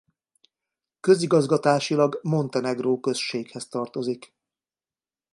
Közigazgatásilag Montenegro községhez tartozik.